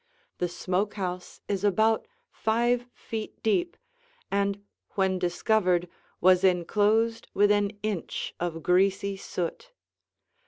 The smoke house is about five feet deep and when discovered was enclosed with an inch of greasy soot.